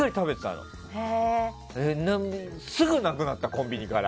でも、すぐになくなったコンビニから。